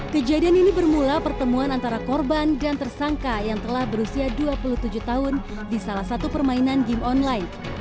kejadian ini bermula pertemuan antara korban dan tersangka yang telah berusia dua puluh tujuh tahun di salah satu permainan game online